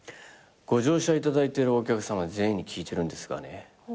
「ご乗車いただいているお客さま全員に聞いているんですがね」